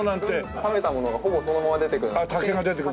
食べたものがほぼそのまま出てくる。